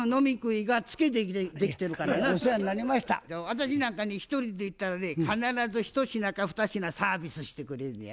私なんかね１人で行ったらね必ず１品か２品サービスしてくれんのや。